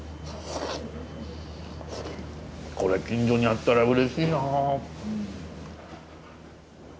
これ近所にあったらうれしいな。